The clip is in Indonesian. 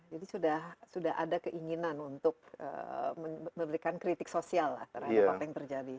jadi sudah ada keinginan untuk memberikan kritik sosial lah terhadap apa yang terjadi